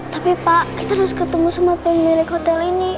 tapi pak kita harus ketemu sama pemilik hotel ini